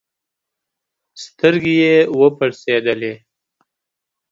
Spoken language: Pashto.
سترګي یې وپړسېدلې